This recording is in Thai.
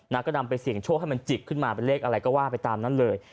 ก็นำไปเสี่ยงโชคให้มันจิกขึ้นมาเป็นเลขอะไรก็ว่าไปตามนั้นเลย